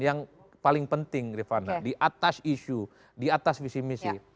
yang paling penting rifana di atas isu di atas visi misi